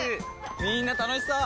みんな楽しそう！